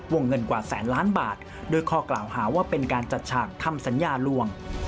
เงินกว่าแสนล้านบาทด้วยข้อกล่าวหาว่าเป็นการจัดฉากทำสัญญาลวง